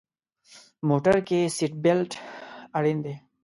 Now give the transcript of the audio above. موټر کې سیټ بیلټ اړین دی.